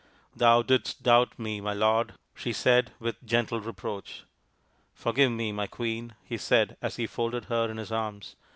Thou didst doubt me, my lord !" she said with gentle reproach. " Forgive me, my Queen," he said, as he folded her in his arms.